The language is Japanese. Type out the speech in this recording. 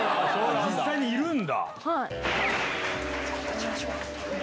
実際にいるんだ。